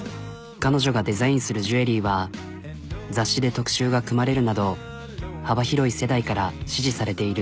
彼女がデザインするジュエリーは雑誌で特集が組まれるなど幅広い世代から支持されている。